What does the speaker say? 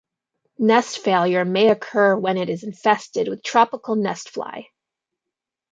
Nest failure may occur when it is infested with tropical nest fly.